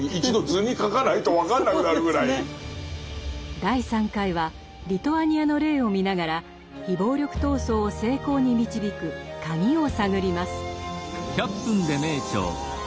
第３回はリトアニアの例を見ながら非暴力闘争を成功に導くカギを探ります。